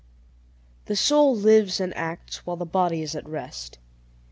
The soul lives and acts, while the body is at rest.